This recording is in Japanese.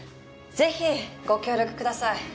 ぜひご協力ください。